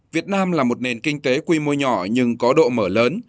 việt nam là một nền kinh tế quy mô nhỏ nhưng có độ mở lớn